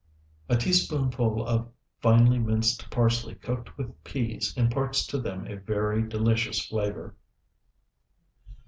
A teaspoonful of finely minced parsley cooked with peas imparts to them a very delicious flavor.